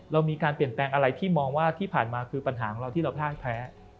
เรามีการเปลี่ยนแปลงอะไรที่มองว่าที่ผ่านมาคือปัญหาของเราที่เราพ่ายแพ้